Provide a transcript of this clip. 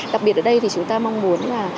đặc biệt ở đây chúng ta mong muốn